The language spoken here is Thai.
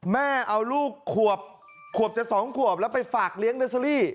แม่เอาลูกขวบจะ๒ขวบแล้วไปฝากเลี้ยงเดอร์เซอรี่